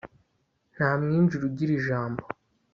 nta mwinjira ugira ijambo